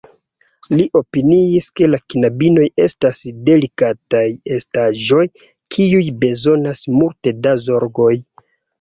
Li opiniis, ke la knabinoj estas delikataj estaĵoj, kiuj bezonas multe da zorgoj.